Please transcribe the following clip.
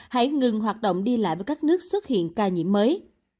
hãy ngừng hoạt động đi lại với các nước xuất hiện ca nhiễm mới